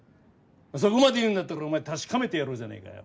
そこまで言うんだったらお前確かめてやろうじゃねえかよ。